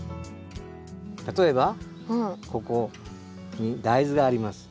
例えばここに大豆があります。